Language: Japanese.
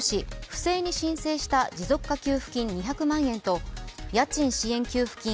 不正に申請した持続化給付金２００万円と家賃支援給付金